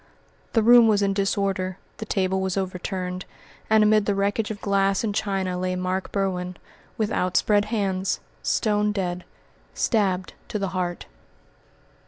The room was in disorder, the table was overturned, and amid the wreckage of glass and china lay Mark Berwin, with outspread hands stone dead stabbed to the heart.